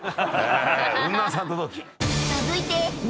［続いて］